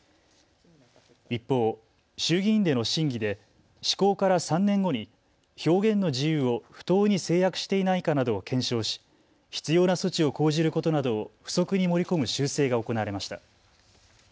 一方、衆議院での審議で施行から３年後に表現の自由を不当に制約していないかなどを検証し必要な措置を講じることなどを付則に盛り込む修正が行われました。